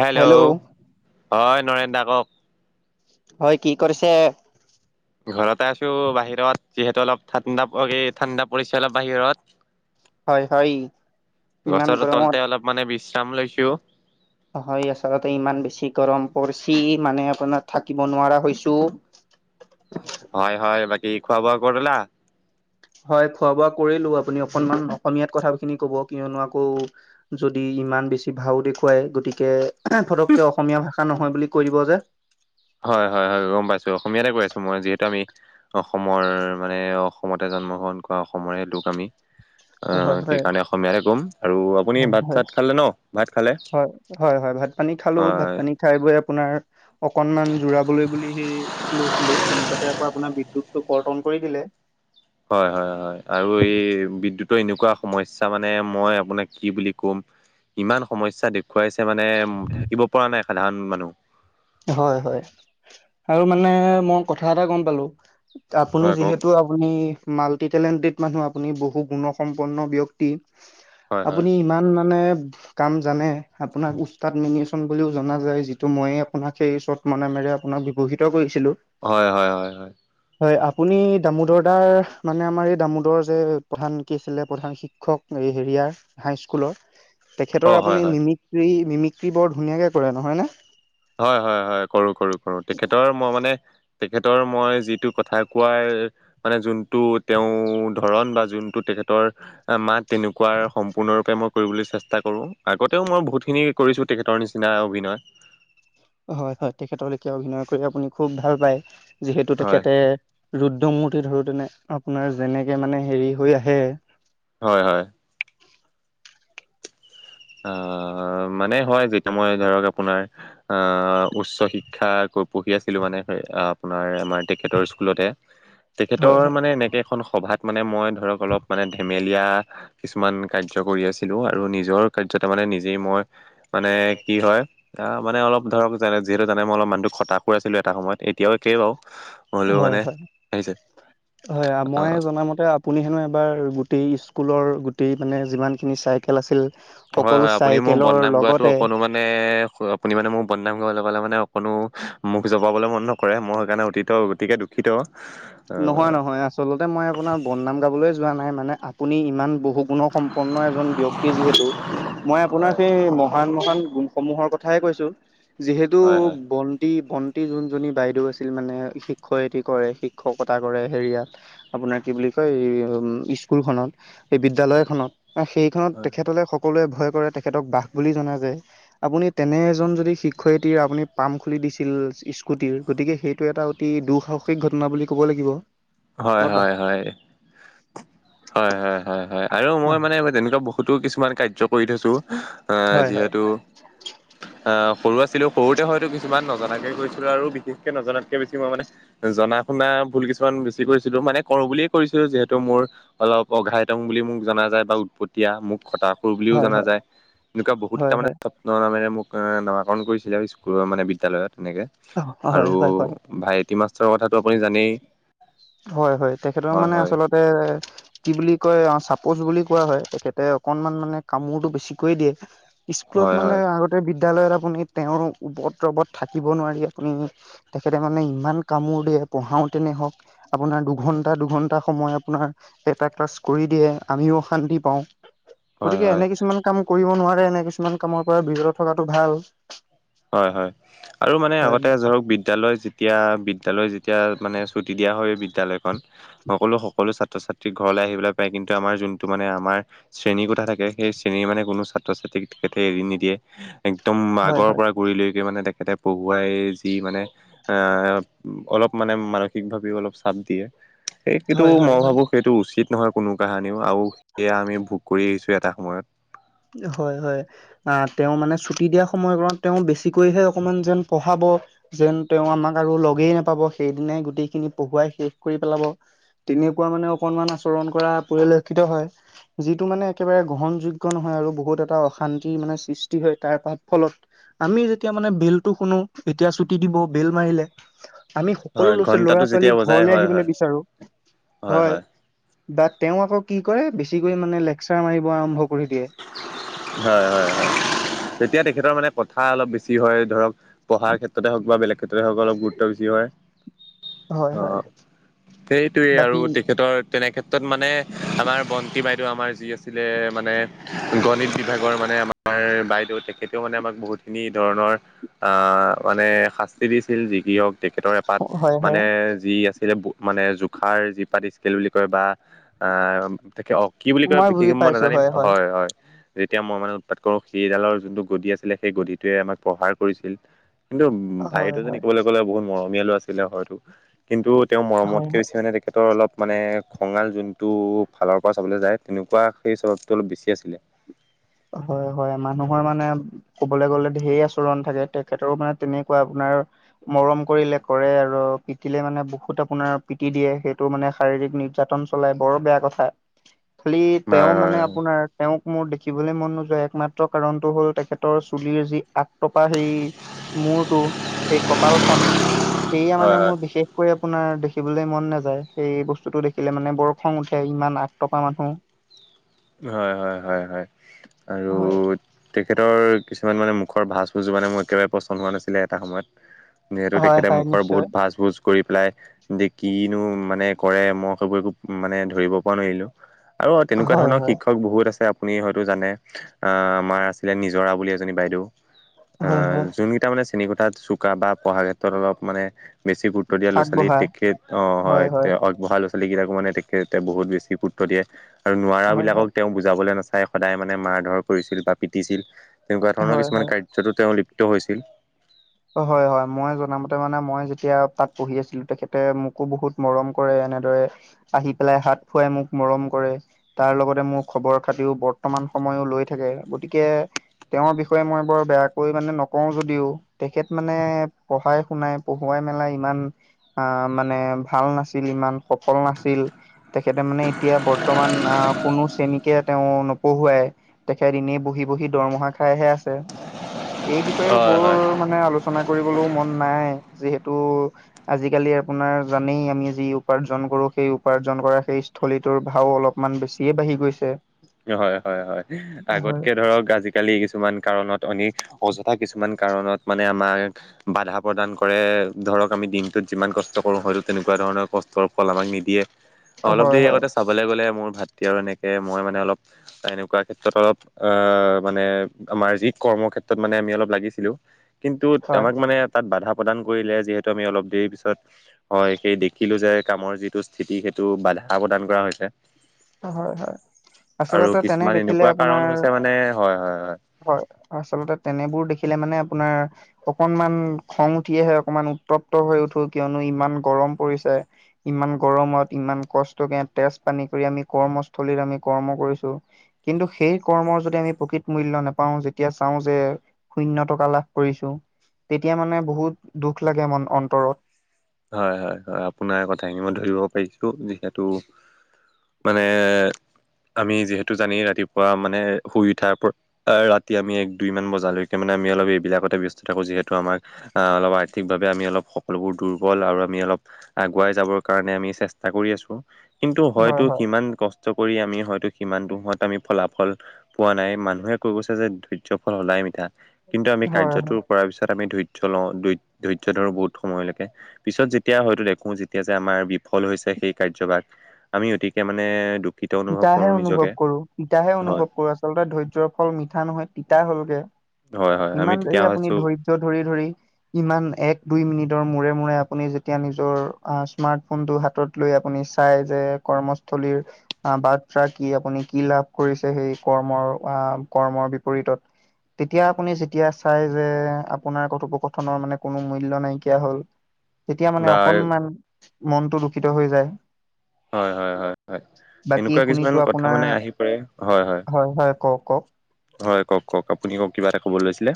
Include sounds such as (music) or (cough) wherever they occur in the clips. Hello, হয় নৰেন দা কওক? হয়, কি কৰিছে? ঘৰতে আছো, বাহিৰত যিহেতু অলপ ঠাণ্ডা, অ' কি ঠাণ্ডা পৰিছে অলপ বাহিৰত। হয় হয় ইমান গছৰ গৰমত তলতে অলপ মানে বিশ্ৰাম লৈছোঁ। হয়, আচলতে ইমান বেছি গৰম পৰিছি মানে আপোনাৰ থাকিব নোৱাৰা হৈছোঁ। হয় হয়, বাকী খোৱা বোৱা কৰিলা? হয় খোৱা বোৱা কৰিলো। আপুনি অকনমান অসমীয়াত কথাখিনি ক'ব কিয়নো আকৌ যদি ইমান বেছি ভাও দেখুৱাই, গতিকে ফটককে অসমীয়া ভাষা নহয় বুলি কৈ দিব যে। হয় হয় হয় গম পাইছো। অসমীয়াতে কৈ আছো মই যিহেতু আমি অসমৰ মানে অসমতে জন্মগ্ৰহণ কৰা অসমৰে লোক আমি। (unintelligible) অঁ' হয় সেইকাৰণে অসমীয়াহে ক'ম আৰু আপুনি ভাত চাত খালে ন, ভাত খালে? হয় হয় হয়, ভাত পানী খালোঁ, ভাত হয় পানী খাই বৈ আপোনাৰ অকনমান জোৰাবলৈ বুলি সেই লৈছিলো। তেনেকুৱাঁতে আকৌ আপোনাৰ বিদ্যুত টো কৰ্তন কৰি দিলে। হয় হয় হয় আৰু এই বিদ্যুতৰ এনেকুৱা সমস্যা মানে মই আপোনাক কি বুলি ক'ম। ইমান সমস্যা দেখুৱাইছে মানে থাকিব পৰা নাই সাধাৰণ মানুহ। হয় হয় আৰু মানে মই কথা এটা গম পালোঁ। আপুনি হয় কওক যিহেতু আপুনি মাল্টি টেলেন্টেড মানুহ আপুনি। বহু গুণসম্পন্ন বক্তি। হয় হয়। আপুনি ইমান মানে কাম জানে, আপোনাক উস্তাদ মেনিচন বুলিও জনা যায়। যিটো মই আপোনাক সেই চত মানে মই আপোনাক ব্যৱহিত কৰিছিলো। হয় হয় হয় হয়। হয়, আপুনি দামোদৰ দাৰ মানে আমাৰ এই দামোদৰ যে প্ৰধান কি আছিলে প্ৰধান শি শিক্ষক এই হেৰিয়াৰ হাইস্কুলৰ। অ তেখেতৰ হয় আপুনি হয় মিমিক্ৰী, মিমিক্ৰী বৰ ধুনীয়াঁ কে কৰে। নহয় নে? হয় হয় হয়, কৰো কৰো কৰো, তেখেতৰ মই মানে তেখেতৰ মই যিটো কথা কোৱাৰ মানে যোনটো তেওঁ ধৰণ বা যোনটো তেখেতৰ মাত তেনেকুৱা সম্পূৰ্ণৰূপে মই কৰিবলৈ চেষ্টা কৰো। আগতেও মই বহুতখিনি কৰিছোঁ তেখেতৰ নিচিনা অভিনয়। হয় হয়, তেখেতৰ লেখিয়া অভিনয় কৰি আপুনি খুব ভাল পায়। যিহেতু হয় তেখেতে ৰুদ্ৰমূৰ্তি ধৰোতেনে আপোনাৰ যেনেকে মানে হেৰি হৈ আহে। হয় হয়। অহ' মানে হয়, যেতিয়া মই ধৰক আপোনাৰ অহ' উচ্চ শিক্ষা পঢ়ি আছিলোঁ মানে আপোনাৰ আমাৰ তেখেতৰ স্কুলতে। হয় তেখেতৰ হয়। মানে এনেকে এখন সভাত মানে মই ধৰক অলপ মানে ধেমেলীয়া কিছুমান কায্যকৰি আছিলোঁ আৰু নিজৰ কায্যতে মানে নিজেই মই মানে কি হয় আহ' মানে অলপ ধৰক যেনে যিহেতু জানে মই মানুহটো অলপ খতাখু আছিলোঁ এটা সময়ত। এতিয়াও একেই বাৰু। হেলেও হয় মানে, হয় আহিছে, হয় মই অঁ। জনামতে আপুনি হেনো এবাৰ গোটেই স্কুলৰ গোটেই মানে যিমানখিনি চাইকেল আছিল হয় সকলো হয়, আপুনি মোৰ চাইকেলৰ বদনাম গোৱাটো লগতে অকনো মা মানে, আপুনি মানে মোৰ বদনাম গাবলৈ পালে মানে অকনো মোখ জপাবলৈ মন নকৰে, মই সেইকাৰণে অতীতৰ গতিকে দুখিত। হয় নহয় নহয়, আচলতে মই আপোনাৰ বদনাম গাবলৈ যোৱা নাই। মানে আপুনি ইমান বু গুণ সম্পন্ন এজন ব্যক্তি যিহেতু, মই আপোনাৰ হয় সেই মহান মহান গুণসমূহৰ কথ কথাই কৈছোঁ। যিহেতু হয় হয় বন বন্তি ভণ্টি যোনজনী বাইদেউ আছিল মানে, শিক্ষয়িত্ৰী কৰে, শিক্ষকতা কৰে হেৰিয়াত। আপোনাৰ কি বুলি কয়, এই স্কুল খনত এই বিদ্যালয় খনত বা সেই ধৰক তেখেতলে সকলোৱে ভয় কৰে, তেখেতক বাঘ বুলি জনা যায়। আপুনি তেনে এজন যদি শিক্ষয়িত্ৰী আপুনি পাম্প খুলি দিছিল স্কুটিৰ, গতিকে সেইটো এটা তি দুঃসাহসিক ঘটনা বুলি ক'ব লাগিব। হয় বৰ্তা। হয় হয় হয় হয় হয় হয় আৰু মই মানে তেনেকুৱা বহুতো কিছুমান কাৰ্য কৰি থৈছো। আহ হয় হয় যিহেতু, আহ সৰু আছিলো সৰুতে হয়তো কিছুমান নজনাকে কৰিছিলোঁ, আৰু বিশেষকে নজনাতকে বেছি মই মানে জনা শুনা ভুল কিছুমান বেছি কৰিছিলো, মানে কৰো বুলিয়ে ক কৰিছিলো। যিহেতু মোৰ অলপ অঘাইতং বুলি মোক জনা যায় বা উৎপতিয়া মোক খটা খুৰ বুলিও হয় জনা হয় যায়, এনেকুৱা বহুত তাৰ হয় মানে ন নামেৰে মোক নামাকৰণ কৰিছিলে আৰু স্কুলৰ মানে বিদ্যালয়ত তেনেকে। হয় হয় আৰু হয় হয় ভাইটি মাষ্টৰ কথাটো আপুনি জানেই। হয় হয়, তেখেতক হয় মানে হয় আচলতে কি বুলি কয় অ' চাপোজ বুলি কোৱা হয় তেখেতে অকনমান মানে কামোৰটো বেছিকৈ দিয়ে। স্কুলত হয় মানে হয় আগতে বিদ্যালয়ত আপুনি তেওঁৰ ওপত্ৰৱত থাকিব নোৱাৰি। উম! তেখেতে মানে ইমান কামোৰ দিয়ে পঢ়াওঁতেনে হওক। আপোনাৰ দুঘণ্টা দুঘণ্টা সময় আপোনাৰ এটা ক্লাছ কৰি দিয়ে আমিও অশান্তি পাওঁ। হয় গতিকে হয় এনে কিছুমান কাম কৰিব নোৱাৰে, এনে কিছুমান কামৰ পৰা বিৰত থকাটো ভাল। হয় হয়, আৰু মানে হয় আগতে ধৰক বিদ বিদ্যালয় যেতিয়া বিদ্যালয় যেতিয়া মানে ছুটি দিয়া হয় বিদ্যালয় সকলো সকলো ছাত্ৰ-ছাত্ৰী ঘৰলৈ আহিবলৈ পায়, কিন্তু আমাৰ যোনটো মানে আমাৰ শ্ৰেণীৰ কোঠা থাকে সেই শ্ৰেণীৰ মানে কোনো ছাত্ৰ-ছাত্ৰীক তেখেতে এৰি নিদিয়ে একদম হয় আগৰ হয় পৰা। কৰিলৈকে মানে তেখেতে পঢ়োৱাই যি মানে এ অলপ মানে মানসিক ভাৱেও অলপ চাপ দিয়ে। সেইটো হয় হয় মই হয়। ভাবো সেইটো উচিত নহয় কোনো কাহানিও, আৰু সেয়া আমি ভোগ কৰি আহিছোঁ এটা সময়ত। হয় হয়। আহ, তেওঁ মানে ছুটি দিয়া সময়কণত তেওঁ বেছিকৈহে অকমান যেন পঢ়াব। যেন তেওঁ আমাক আৰু লগেই নাপাব সেইদিনাই গোটেই খিনি পঢ়োৱাই শেষ কৰি পেলাব। তেনেকুৱা মানে অকনমান আচৰণ কৰা পৰিলক্ষিত হয়। যিটো মানে একেবাৰে গ্ৰহণযোগ যোগ্য নহয় আৰু বহুত এটা অশান্তিৰ মানে সৃষ্টি হয় তাৰ পাত ফলত। আমি যেতিয়া মানে বেলটো শুনো এতিয়া চুটি দিব বেল মাৰিলে। আমি সকলো হয় ল ঘন্টাটো লৰা-ছোৱালী যেতিয়া বজাই ঘৰলে হয় আহিবলৈ হয় বিচাৰো হয়। বাট তেওঁ আকৌ কি কৰে, বেছিকৈ মানে লেকচাৰ মাৰিব আৰম্ভ কৰি দিয়ে। হয় হয় হয় তেতিয়া তেখেতৰ মানে কথা অলপ বেছি হয় ধৰক। পঢ়াৰ ক্ষেত্ৰতে হওক বা বেলেগ ক্ষেত্ৰতে হওক অলপ গুৰুত্ব বেছি হয়। হয় হয় অ' সেইটোৱে আৰু বাকী তেখেতৰ তেনেক্ষেত্ৰত মানে আমাৰ বন্তি বাইদেউৱে আমাৰ যি আছিলে মানে গণিত বিভাগৰ মানে আমাৰ বাইদেউ তেখেতেও মানে আমাক বহুতখিনি ধৰণৰ আহ মানে শাস্তি দিছিল যি কি হওঁক, তেখেতৰ এপাত হয় হয় মানে যি আছিল মানে জোখাৰ যিপাত স্কেল বুলি কয় বা আহ তেতিয়া কি বুলি কয় বিশেষ বুজি মই পাইছো নাজানিম। হয় হয় হয়-হয় যেতিয়া মই মানে উৎপাত কৰো, সেইডালৰ যোনটো গধি আছিলে, সেই গধিটোৱে আমাক প্ৰহাৰ কৰিছিল। কিন্তু হয় ভাইতো হয় জনী ক'বলৈ গ'লে বহুত মৰমীয়ালো আছিলে হয়তো কিন্তু তেওঁৰ হয় মৰমতকৈ হয় বেছি মানে তেখেতৰ অলপ মানে খঙাল যোনটো ফালৰ পৰা চাবলৈ যায়, তেনেকুৱা সেই স্বভাৱটো অলপ বেছি আছিলে। হয়-হয় মানুহৰ মানে ক'বলৈ গ'লে ঢেৰ আচৰণ থাকে, তেখেতৰো মানে তেনেকুৱা আপোনাৰ মৰম কৰিলে কৰে আৰু পিটিলে মানে বহুত আপোনাৰ পিটি দিয়ে, সেইটো মানে শাৰীৰিক নিৰ্যা তন চলাই বৰ বেয়া কথা, খালি তেওঁ হয় মানে আপোনাৰ তেওঁক মোৰ দেখি দেখিবলৈ মন নোযোৱা একমাত্ৰ কাৰণটো হ'ল তেখেতৰ চুলিৰ যি আগ তপা সেই মূৰটো, সেই কপালখন সেইয়া মানে হয় মোৰ বিশেষ কৈ আপোনাৰ দেখিবলৈ মন নাযায়, সেই বস্তুটো দেখিলে মানে বৰ খং উঠে ইমান আগ তপা মানুহ হয়, হয়, হয়, হয় আৰু হয় তেখেতৰ কিছুমান মানে মুখৰ ভাজ ভুজোৰ মানে মোৰ একেবাৰে পছন্দ হোৱা নাছিলে এটা সময়ত যিহেতু হয় তেখেতৰ হয় মুখৰ বহুত নিশ্চয় ভাজ ভুজ কৰি পেলাই যে কিনো মানে কৰে মই সেইবোৰ একো মানে ধৰিব পৰা নোৱাৰিলোঁ। আৰু অ' তেনেকুৱা হয় ধৰণৰ হয় শিক্ষক বহুত আছে আপুনি হয়তো জানে, আহ আমাৰ আছিলে নিজৰা বুলি এজনী বাইদেউ। হয় আহ হয় যোন কেইটা মানে চেনীকোঠাত চোকা বা পঢ়াৰ ক্ষেত্ৰত অলপ মানে বেছি গুৰুত্ব দিয়া ল'ৰা-ছোৱালী আগবঢ়া তেখেত অ' হয়। পঢ়া লৰা-ছোৱালী কেইটাকো মানে তেখেতে বহুত বেছি গুৰুত্ব দিয়ে আৰু নোৱাৰা হয় বিলাক হয় তেওঁ বুজাবলৈ নাচাই, সদায় মানে মাৰ ধৰ কৰিছিল বা পিটিছিল তেনেকুৱা ধৰণৰ হয় কিছুমান হয় কায যিটো তেওঁ লিপ্ত হৈছিল। হয়-হয় মই জনামতে মানে মই যেতিয়া তাত পঢ়ি আছিলোঁ, তেখেতে মোকো বহুত মৰম কৰে এনেদৰে আহি পেলাই হাত ফুৱাই মোক মৰম কৰে। তাৰ লগতে মোৰ খবৰ-খাতিও বৰ্তমান সময়ো লৈ থাকে। গতিকে তেওঁৰ বিষয়ে মই বৰ বেয়াকৈ মানে নকওঁ যদিও তেখেত মানে পঢ়াই-শুনাই, পঢ়ুৱাই মেলা ইমান অ' মানে ভাল নাছিল, ইমান সফল নাছিল। তেখেতে মানে এতিয়া বৰ্তমান আহ কোনো শ্ৰেণীকে তেওঁ নপঢ়ুৱাই। তেখেত এনেই বহি-বহি দৰমহা খাইহে আছে। এই বিষয়েও হয় বৰ হয় মানে আলোচনা কৰিবলৈও মন নাই, যিহেতু আজিকালি আপোনাৰ জানেই আমি যি উপাৰ্জন কৰোঁ, সেই উপাৰ্জন কৰা সেই থলীটোৰ ভাও অলপমান বেছিয়ে বাঢ়ি গৈছে। হয়, হয়, হয় হয় আগতকে ধৰক আজি আজিকালি কিছুমান কাৰণত এনে অযথা কিছুমান কাৰণত মানে আমাৰ বাধা প্ৰদান কৰে, ধৰক আমি দিনটোত যিমান কষ্ট কৰোঁ, হয়তো তেনেকুৱা ধৰণৰ কষ্টৰ ফল আমাক নিদিয়ে। অলপ হয় দেৰি হয় আগতে চাবলে গ'লে মোৰ ভাতৃ আৰু এনেকে মই মানে অলপ, এনেকুৱা ক্ষেত্ৰত অলপ আহ মানে আমাৰ যি কৰ্মৰ ক্ষেত্ৰত মানে আমি অলপ লাগিছিলোঁ কিন্তু হয় আমাক মানে তাত বাধা প্ৰদান কৰিলে, যিহেতু আমি অলপ দেৰি পিছত হয়, সেই দেখিলোঁ যে কামৰ যিটো স্থিতি সেইটো বাধা প্ৰদান কৰা হৈছে। হয়, হয়। আৰু আচলতে তেনে কিছুমান দেখিলে এনেকুৱা কাৰণ আপোনাৰ হৈছে মানে হয়, হয়, হয়। হয় আচলতে তেনেবোৰ দেখিলে মানে আপোনাৰ। অকণমান খং উঠি আহে অকণমান উত্তপ্ত হৈ উঠো কিয়নো ইমান গৰম পৰিছে। ইমান গৰমত ইমান কষ্টকে তেজ পানী কৰি আমি কৰ্মস্থলী আমি কৰ্ম কৰিছোঁ। কিন্তু সেই কৰ্মৰ যদি আমি প্ৰকৃত মূল্য নাপাওঁ যেতিয়া চাওঁ যে। শূন্য টকা লাভ কৰিছোঁ তেতিয়া মানে বহুত দুখ লাগে মন অন্তৰত। হয় হয় হয় আপোনাৰ কথা খিনি মই ধৰিব পাৰিছোঁ যিহেতু। মানে আমি যিহেতু জানেই ৰাতিপুৱা মানে শুই উঠা প। আহ ৰাতি আমি এক দুই মান বজালৈকে মানে আমি অলপ এইবিলাকতে ব্যস্ত থাকো যিহেতু আমাক। আহ অলপ আৰ্থিকভাৱে আমি অলপ সকলোবোৰ দূৰ। বল আৰু আমি অলপ আগুৱাই যাবৰ কাৰণে আমি চেষ্টা কৰি আছোঁ। কিন্তু হয় হয়তো হয় সিমান কষ্ট কৰি আমি হয়তো সিমানতো দুখত আমি ফলাফল। পোৱা নাই মানুহে কৈ গৈছে যে ধৈৰ্য্য ফল সদায় মিঠা। কিন্তু আমি হয় কাৰ্যটো হয়। কৰাৰ পিছত আমি ধৈৰ্য্য লও ধৈ ধৈৰ্য্য ধৰো বহুত সময়লেকে। পিছত যেতিয়া হয়তো দেখোঁ যেতিয়া যে আমাৰ বিফল হৈছে সেই কাৰ্যভাগ আমি অতিকে মানে দু। তিতাহে অনুভৱ কৰোঁ তিতাহে হয় অনুভৱ কৰোঁ আচলতে ধৈৰ্য্য ফল মিঠা নহয় তিতা হ'লগে। হয় হয় আমি ইমান তেতিয়া দেৰি আপুনি হৈছো ধৈৰ্য্য ধৰি ধৰি। ইমান এক দুই মিনিটৰ মূৰে মূৰে আপুনি যেতিয়া নিজৰ স্মাৰ্টফোনটো হাতত। লৈ আপুনি চাই যে কৰ্মস্থলীৰ। অহ বাৰ্তা কি আপুনি কি লাভ কৰিছে সেই কৰ্মৰ আহ কৰ্মৰ বিপৰীতত। তেতিয়া আপুনি যেতিয়া চাই যে আপোনাৰ কথোপকথনৰ মানে কোনো মূল্য নাইকীয়া হ'ল। তেতিয়া বা মানে অকনমান মনতো দূষিত হৈ যায়। হয়, হয়, হয়, হয় বাকী এনেকুৱা শুনিছো কিছুমানে কথা আপোনাৰ মানে আহি পৰে হয় হয়। হয় কওঁক কওঁক আপুনিও কিবা এটা ক'বলে লৈছিলে।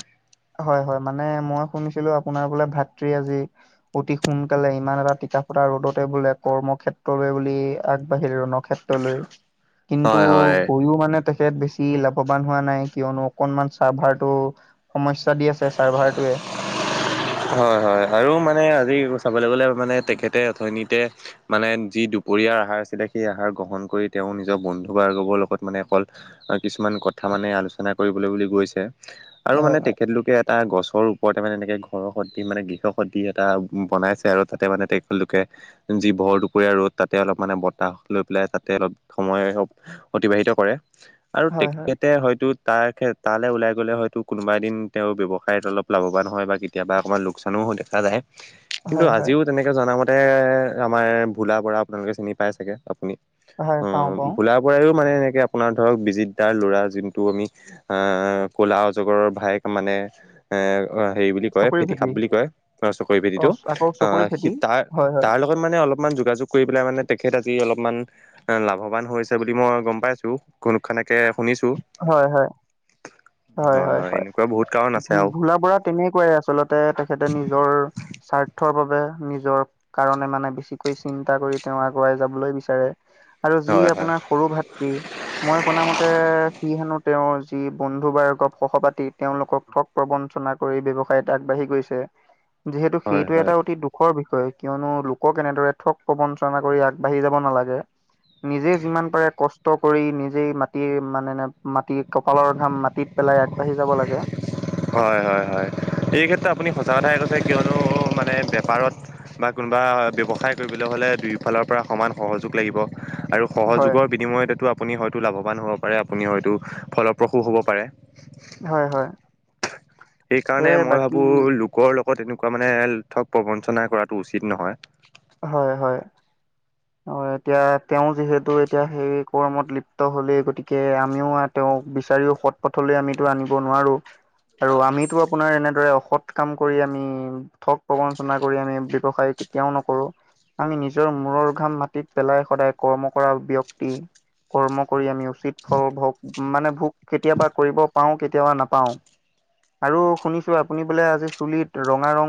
হয় হয় মানে মই শুনিছিলোঁ আপোনাৰ বোলে ভাতৃ আজি। অতি সোনকালে ইমান এটা টিকা ফটা ৰ'দতে বোলে কৰ্ম ক্ষেত্ৰলৈ বুলি আগবাঢ়িল ৰনক। ক্ষেত্ৰলৈ কিন্তু হয় হয় গৈয়ো মানে। তেখেত বেছি লাভৱান হোৱা নাই কিয়নো অকনমান চাৰ্ভাৰটো। সমস্যা দি আছে চাৰ্ভাৰটোৱে। হয় হয় আৰু মানে আজি চাবলৈ গ'লে মানে তেখেতে অথনিতে। মানে যি দুপৰীয়াৰ আহাৰ আছিলে সেই আহাৰ গ্ৰহণ কৰি তেওঁ নিজৰ বন্ধু বাৰৰ্গৱৰ লগত মানে অকল। তাৰ কিছুমান কথা মানে আলোচনা কৰিবলৈ বুলি গৈছে। আৰু মানে হয় তেখেত লোকে এটা গছৰ ওপৰতে মানে এনেকে। ঘৰসদৃশ মানে গৃহ সদৃশ এটা বনাইছে আৰু তাতে মানে তেখেতলোকে। যি ভৰ দুপৰীয়া ৰ'দ তাতে অলপ মানে বতাহ লৈ পেলাই তাতে অলপ সময়। অতিবাহিত কৰে। আৰু হয় হয় তেখেতে হয়তো তাৰ তালে ওলাই গ'লে হয়তো কোনোবা এদিন তেওঁৰ ব্যৱ। সায়ত অলপ লাভৱান হয় বা কেতিয়াবা অকণমান লোকচানো দেখা যায় কিন্তু হয় হয় হয় আজিও। তেনেকে জনামতে আমাৰ ভোলা বৰা আপোনালোকে চিনি পাই চাগে আপুনি। হয় পাওঁ অহ' পাওঁ ভোলা বৰাইও মানে এনেকে আপোনাৰ ধৰক বিজিত দাৰ ল'ৰা জিন্তু আমি। আহ কলা অজগৰৰ ভাইক মানে এ অহ হেৰি। বুলি কয় ফেটি সাপ বুলি কয় অ চকৰি অ ফেটিটো আকৌ চকৰি অহ সি ফেটি তাৰ হয় হয় তাৰ লগ। ত মানে অলপমান যোগাযোগ কৰি পেলাই মানে তেখেত আজি অলপমান। তেওঁ লাভৱান হৈছে বুলি মই গম পাইছো। ঘুনুক ঘানাককে শুনিছো। হয় হয় হয় হয় হয়। এনেকুৱা বহুত কাৰণ আছে ভো আৰু ভোলা বৰাক। তেনেকুৱাই আচলতে তেখেতে নিজৰ স্বাৰ্থৰ বাবে নিজৰ। কাৰণে মানে বেছিকৈ চিন্তা কৰি তেওঁ আগুৱাই যাবলৈ বিচাৰে। আৰু যি হয় হয় আপোনাৰ সৰু ভাতৃ মই শুনা মতে। সি হেনো তেওঁৰ যি বন্ধু বাৰ্গৱ সহপাঠী তেওঁলোকক ঠগ প্ৰবঞ্চনাক। কৰি ব্যৱসায়ত আগবাঢ়ি গৈছে যিহেতু হয় সেইটো হয় এটা অতি দুখ। দুখৰ বিষয়ে। কিয়নো লোকক এনেদৰে ঠগ প্ৰবঞ্চনা কৰি আগবাঢ়ি যাব নালাগে। নিজে যিমান পাৰে কষ্ট কৰি নিজেই মাত। মাটি মানে মাটি কপালৰ ঘাম মাটিত পেলাই আগবাঢ়ি যাব লাগে। হয় হয় হয় এই ক্ষেত্ৰত আপুনি সঁচা কথাইে কৈছে কিয়নো মানে বেপাৰত। বা কোনোবা ব্যৱসায় কৰিবলৈ হ'লে দুয়োফালৰ পৰা সমান সহযোগ লাগিব আৰু। হয় সহযোগৰ বিনিময়তেতো আপুনি হয়তো লাভৱান হ'ব পাৰে আপুনি হয়তো ফলপ্ৰসূ হ'ব পাৰে। হয় হয়। সেইকাৰণে সেয়ে মই বাকী ভাবো লোকৰ লগত এনেকুৱা মানে ঠগ প্ৰবঞ্চনা কৰাটো উচিত নহয়। হয় হয়। অ' এতিয়া তেওঁ যিহেতু এতিয়া সেই কৰ্মত লিপ্ত হলেই গতিকে আমিও আত। তেওঁক বিচাৰিও সৎ পথলৈ আমিতো আনিব নোৱাঁৰো আৰু আমিতো। আপোনাৰ এনেদৰে অসৎ কাম কৰি আমি। ঠগ প্ৰবঞ্চনা কৰি আমি ব্যৱসায় কেতিয়াও নকৰো। আমি নিজৰ মূৰৰ। ঘাম মাটিত পেলাই সদায় কৰ্ম কৰা ব্যক্তি। কৰ্ম কৰি আমি উচিত ফল ভোগ। মানে ভোগ কেতিয়াবা কৰিব পাওঁ কেতিয়াবা নাপাওঁ। আৰু শুনিছো আপুনি বোলে আজি চুলিত ৰঙা ৰং।